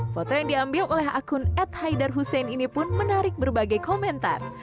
foto yang diambil oleh akun ad haidar hussein ini pun menarik berbagai komentar